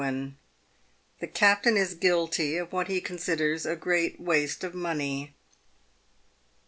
THE CAPTAIN IS GUILTY OF WHAT HE CONSIDERS A GREAT WASTE OF MONEY.